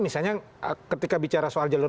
misalnya ketika bicara soal jalur